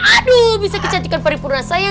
aduh bisa kecantikan paripurna saya